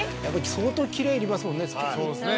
相当キレいりますもんね。